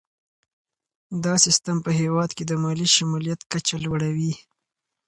دا سیستم په هیواد کې د مالي شمولیت کچه لوړوي.